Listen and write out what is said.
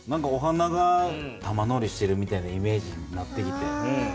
お花が玉乗りしてるみたいなイメージになってきて。